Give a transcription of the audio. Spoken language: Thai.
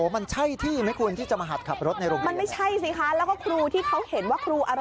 มันใช่ที่ไหมคุณจะมาหักขับรถในโรงเกณฑ์